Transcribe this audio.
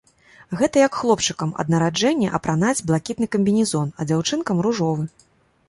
Гэта як хлопчыкам ад нараджэння апранаць блакітны камбінезон, а дзяўчынкам ружовы!